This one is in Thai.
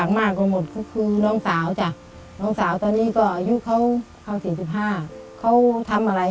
เขาทำอะไรไม่ได้